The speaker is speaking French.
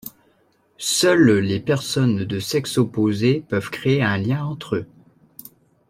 Seules les personnes de sexe opposé peuvent créer un lien entre eux.